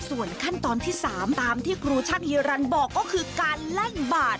ส่วนขั้นตอนที่๓ตามที่ครูช่างฮีรันบอกก็คือการแล่งบาด